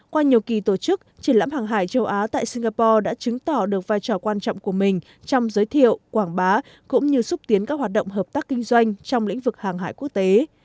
qua nhiều kỳ tổ chức triển lãm hàng hải châu á tại singapore đã chứng tỏ được vai trò quan trọng của mình trong giới thiệu quảng bá cũng như xúc tiến các hoạt động hợp tác kinh doanh trong lĩnh vực hàng hải quốc tế